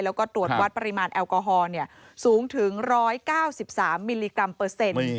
แล้วก็ตรวจวัดปริมาณแอลกอฮอลสูงถึง๑๙๓มิลลิกรัมเปอร์เซ็นต์